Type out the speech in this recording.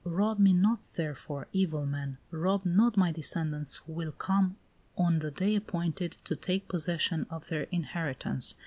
Rob me not, therefore, evil man! Rob not my descendants who will come, on the day appointed, to take possession of their inheritance.